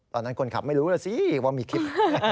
ตอนนั้นคนขับไม่รู้แล้วสิว่ามีคลิป